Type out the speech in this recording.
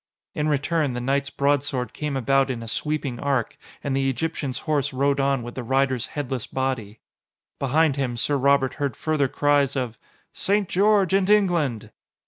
In return, the knight's broadsword came about in a sweeping arc, and the Egyptian's horse rode on with the rider's headless body. Behind him, Sir Robert heard further cries of "St. George and England!"